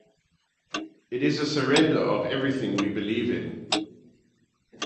It is a surrender of everything we believe in.